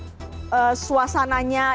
bagaimana anda dalam proses syutingnya ini bron